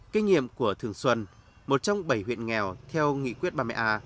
kinh nghiệm của thường xuân một trong bảy huyện nghèo theo nghị quyết bà mẹ à